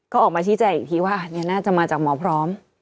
ก็ออกมาชี้แจงอีกทีว่าน่าจะมาจากหมอพร้อม